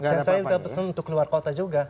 dan saya udah pesen untuk keluar kota juga